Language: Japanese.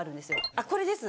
あっこれです。